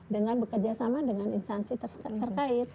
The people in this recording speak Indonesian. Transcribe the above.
dengan bekerjasama dengan instansi terkait